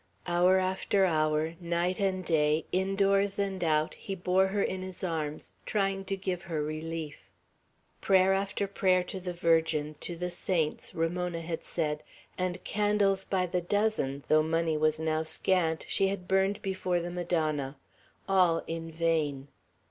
Hour after hour, night and day, indoors and out, he bore her in his arms, trying to give her relief. Prayer after prayer to the Virgin, to the saints, Ramona had said; and candles by the dozen, though money was now scant, she had burned before the Madonna; all in vain.